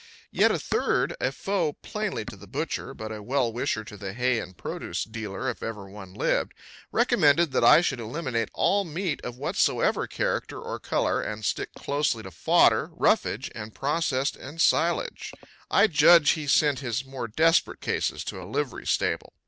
Yet a third a foe, plainly, to the butcher, but a well wisher to the hay and produce dealer if ever one lived recommended that I should eliminate all meat of whatsoever character or color and stick closely to fodder, roughage and processed ensilage. I judge he sent his more desperate cases to a livery stable.